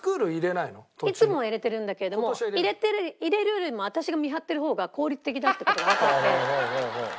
いつもは入れてるんだけれども入れるよりも私が見張ってる方が効率的だって事がわかって。